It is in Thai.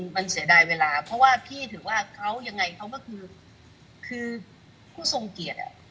มันเสียดายเวลาเพราะว่าพี่ถือว่าเขายังไงเขาก็คือคือผู้ทรงเกียรติอ่ะ